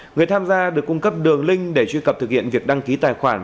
người tham gia được cung cấp đường link để truy cập thực hiện việc đăng ký tài khoản